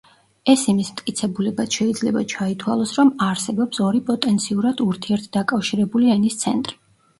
ეს იმის მტკიცებულებად შეიძლება ჩაითვალოს, რომ არსებობს ორი პოტენციურად ურთიერთდაკავშირებული ენის ცენტრი.